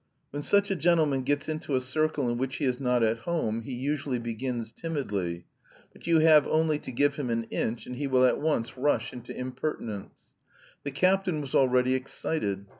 When such a gentleman gets into a circle in which he is not at home he usually begins timidly, but you have only to give him an inch and he will at once rush into impertinence. The captain was already excited.